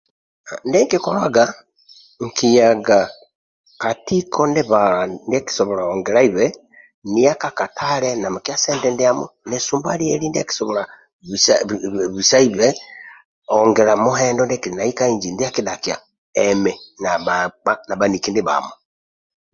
Ndie nkikolaga nkiyaga ka tiko nibala ndie nkisobola hongelaibe niya ka katale na mikia sente ndiamo nisumba lieli ndie nkitoka bisaibe hongela muhendo ndia akitota dhakia emi na bhaniki ndibhamo